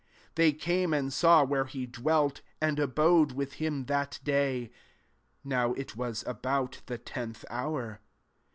They came and saw where he dwelt, and abode with him that day: (now it was about the tenth hour).